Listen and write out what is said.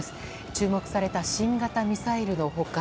注目された新型ミサイルの他